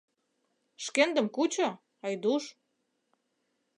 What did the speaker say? — Шкендым кучо, Айдуш.